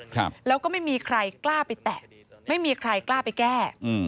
ครับแล้วก็ไม่มีใครกล้าไปแตะไม่มีใครกล้าไปแก้อืม